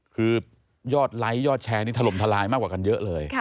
คือยอดไลค์ยอดแชร์นี้ถล่มทลายมากกว่ากันเยอะเลย